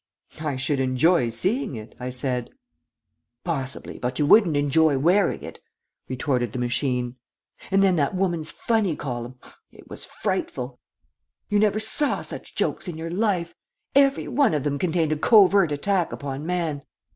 "I should enjoy seeing it," I said. "Possibly but you wouldn't enjoy wearing it," retorted the machine. "And then that woman's funny column it was frightful. You never saw such jokes in your life; every one of them contained a covert attack upon man.